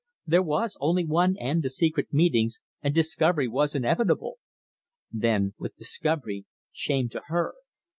There was only one end to secret meetings, and discovery was inevitable. Then, with discovery, shame to her.